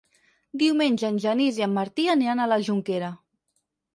Diumenge en Genís i en Martí aniran a la Jonquera.